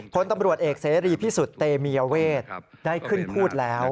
ผลตำรวจเอกเสรีพิสุทธิ์เตมียเวทได้ขึ้นพูดแล้ว